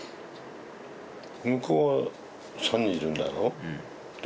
向こうは３人いるんだろ？